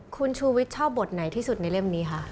คุณชูวิทย์ชอบบทไหนที่สุดในเล่มนี้คะ